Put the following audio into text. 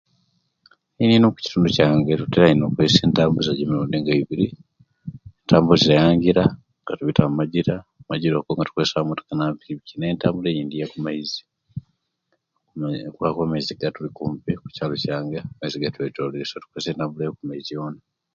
Eino okukitundu kyange tutira ino okukozesia etambuzya yemingira nga tubita omangira amangira ago nga tukozesa motoka na pikipiki ne entambula eyindi eyo kumaizi kubanga amaizi gatuli kumpi okukyaalo kyange amaizi gatwetoleire so kumaizi boona